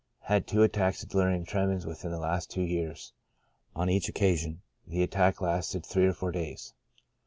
Had two attacks of delirium tremens within the last two years, on each occasion the attack lasted three or four days.